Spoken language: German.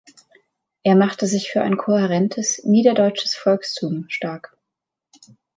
Er machte sich für ein kohärentes "niederdeutsches Volkstum" stark.